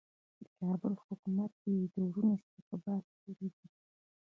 د کابل حکومت یې دروند استقبال کړی دی.